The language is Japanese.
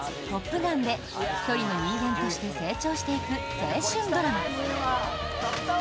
トップガンで１人の人間として成長していく青春ドラマ。